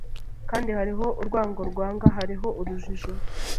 Kandi hariho Urwango Rwanga Hariho Urujijo